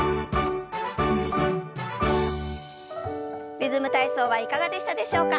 「リズム体操」はいかがでしたでしょうか。